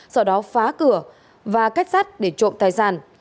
sau đó phá cửa và kết sát để trộm tài sản